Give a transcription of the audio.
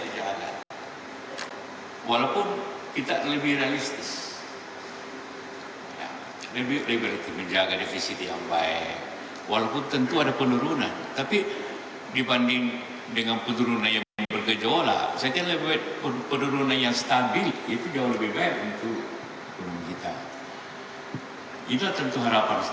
jadi artinya kita tidak perlu terlalu berlebihan atau khawatir